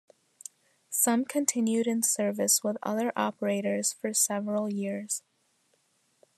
Some continued in service with other operators for several years.